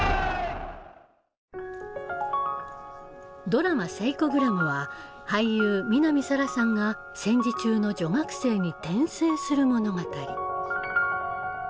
ドラマ「セイコグラム」は俳優南沙良さんが戦時中の女学生に転生する物語。